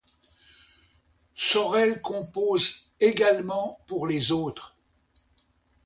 Sorel compose également pour les autres.